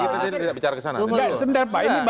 kita tidak bicara kesana ini bapak